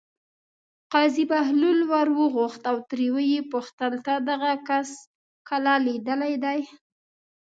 قاضي بهلول ور وغوښت او ترې ویې پوښتل: تا دغه کس کله لیدلی دی.